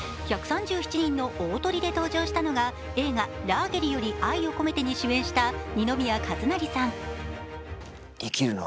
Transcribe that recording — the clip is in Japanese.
１３７人の大トリで登場したのが映画「ラーゲリより愛を込めて」で主演を務めた二宮和也さん。